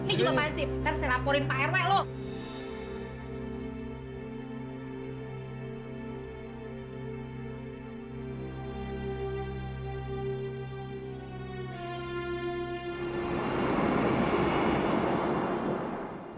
ini juga pansip ntar saya laporin pak rw loh